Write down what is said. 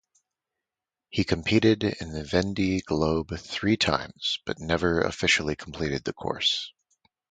He competed in the Vendee Globe three times but never officially completed the course.